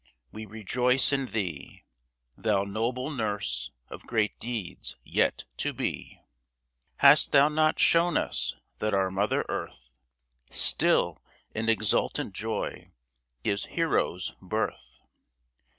we rejoice in thee, Thou noble nurse of great deeds yet to be ! Hast thou not shown us that our mother Earth Still, in exultant joy, gives heroes birth